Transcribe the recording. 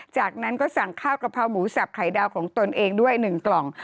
จากนั้นก็สั่งข้าวกะเพราหมูสับไข่ดาวของตนเองด้วย๑กล่อง